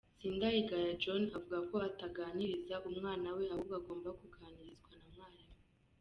Sindayigaya John, avuga ko ataganiriza umwana we ahubwo agomba kuganirizwa na mwarimu.